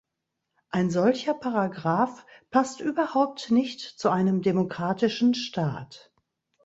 Ein solcher Paragraph passt überhaupt nicht zu einem demokratischen Staat.